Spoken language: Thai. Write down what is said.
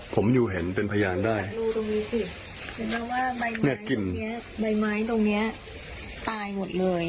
ผมอยู่เห็นเป็นพยานได้เป็นแบบว่าใบไม้ตรงเนี้ยใบไม้ตรงเนี้ยตายหมดเลย